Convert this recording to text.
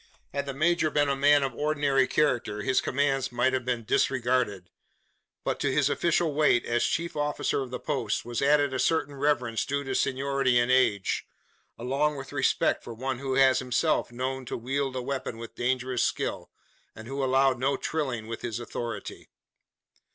Had the major been a man of ordinary character his commands might have been disregarded. But to his official weight, as chief officer of the post, was added a certain reverence due to seniority in age along with respect for one who was himself known to wield a weapon with dangerous skill, and who allowed no trilling with his authority.